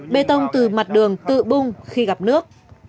bê tông từ mặt đường tự bung khi gặp nước